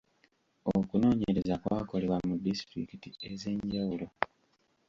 Okunoonyereza kwakolebwa mu ddisitulikiti ez’enjawulo.